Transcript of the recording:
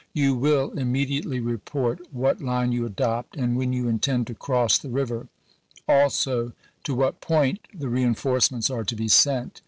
You will immediately report what line you adopt and when you intend to cross the river ; also to what point the reenforcements are to be sent.